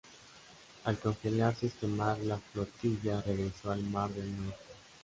Al congelarse este mar, la flotilla regresó al Mar del Norte.